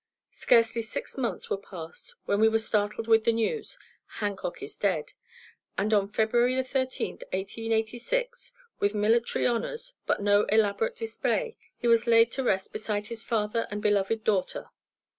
Scarcely six months were passed when we were startled with the news: Hancock is dead, and on February 13th, 1886, with military honors, but no elaborate display, he was laid at rest beside his father and beloved daughter.